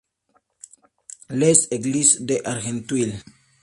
Les Églises-d'Argenteuil